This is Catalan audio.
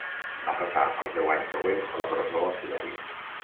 Va passar els deu anys següents a la presó a Sibèria.